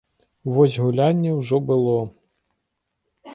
Вось гулянне ўжо было!